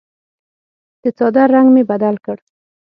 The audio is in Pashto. د څادر رنګ مې بدل کړ.